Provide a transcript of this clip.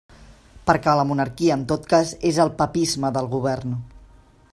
Perquè la monarquia en tot cas és el papisme del govern.